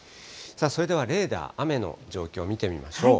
それではレーダー、雨の状況見てみましょう。